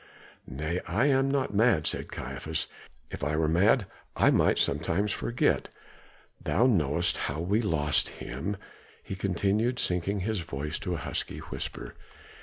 "Nay, I am not mad," said Caiaphas. "If I were mad, I might sometimes forget. Thou knowest how we lost him," he continued, sinking his voice to a husky whisper.